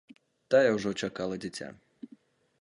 Тая ўжо чакала дзіця.